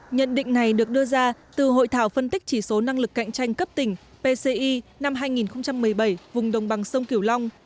nhận định này được đưa ra từ hội thảo phân tích chỉ số năng lực cạnh tranh cấp tỉnh pci năm hai nghìn một mươi bảy vùng đồng bằng sông kiểu long